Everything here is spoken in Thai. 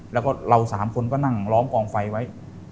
แล้วก็เรา๓คนก็นั่งล้อมกองไฟไว้